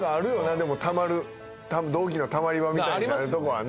でもたまる同期のたまり場みたいになるとこはね。